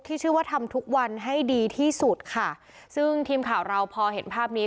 ชื่อว่าทำทุกวันให้ดีที่สุดค่ะซึ่งทีมข่าวเราพอเห็นภาพนี้